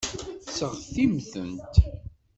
Seɣtimt-ten.